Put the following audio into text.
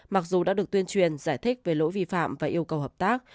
mặc dù đã được tuyên truyền giải thích về lỗi vi phạm và yêu cầu hợp tác